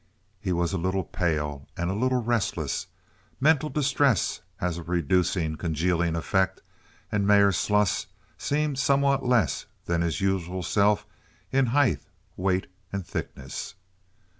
He was a little pale and a little restless. Mental distress has a reducing, congealing effect, and Mayor Sluss seemed somewhat less than his usual self in height, weight, and thickness.